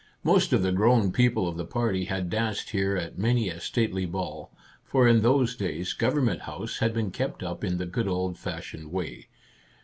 Most of the grown people of the party had danced here at many a stately ball, for in those days Government House had been kept up in the good old fashioned way.